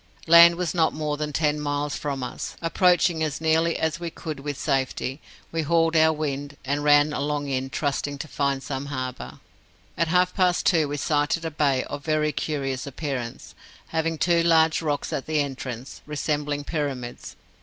Land was not more than ten miles from us; approaching as nearly as we could with safety, we hauled our wind, and ran along in, trusting to find some harbour. At half past two we sighted a bay of very curious appearance, having two large rocks at the entrance, resembling pyramids.